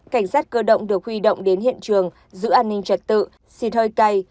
cảnh sát cơ động được huy động đến hiện trường giữ an ninh trật tự xịt hơi cay